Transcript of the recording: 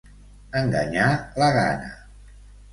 Enganyar la gana.